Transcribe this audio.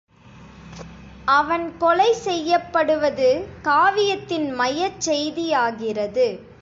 அவன் கொலை செய்யப்படுவது காவியத்தின் மையச் செய்தியாகிறது.